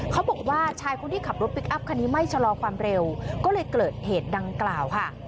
เขาบอกว่าชายคนที่ขับรถพลิกอัพคันนี้ไม่ชะลอความเร็วก็เลยเกิดเหตุดังกล่าวค่ะ